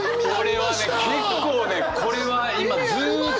これはね結構ねこれは今ずっと！